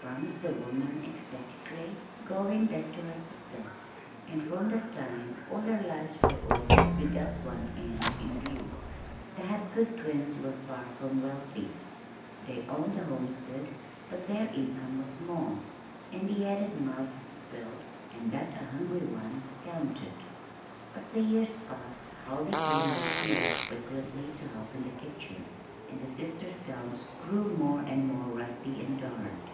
promised the woman ecstatically, going back to her sister; and from that time all their lives were ordered with that one end in view. The Hapgood twins were far from wealthy. They owned the homestead, but their income was small, and the added mouth to fill and that a hungry one counted. As the years passed, Huldy came less and less frequently to help in the kitchen, and the sisters' gowns grew more and more rusty and darned.